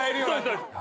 そうです。